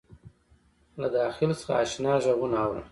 له داخل څخه آشنا غــــــــــږونه اورم